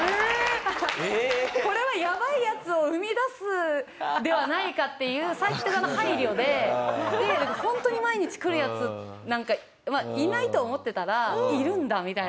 これはやばいヤツを生み出すんではないかっていうサーキット側の配慮でホントに毎日来るヤツなんかいないと思ってたらいるんだみたいな。